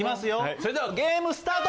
それではゲームスタート！